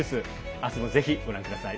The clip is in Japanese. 明日も、ぜひご覧ください。